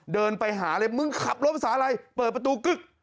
เดินไปหาเลยมึงขับลบสาลัยเปิดประตูกึ๊ก